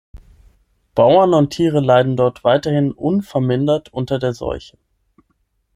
Bauern und Tiere leiden dort weiterhin unvermindert unter der Seuche.